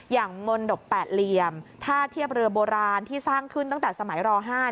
มนตบแปดเหลี่ยมท่าเทียบเรือโบราณที่สร้างขึ้นตั้งแต่สมัยร๕